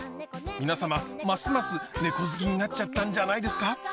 皆様ますますねこ好きになっちゃったんじゃないですか？